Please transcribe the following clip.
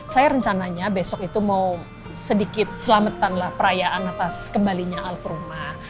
saya rencananya besok itu mau sedikit selamatan lah perayaan atas kembalinya al kurma